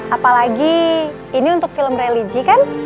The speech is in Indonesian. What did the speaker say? apalagi ini untuk film religi kan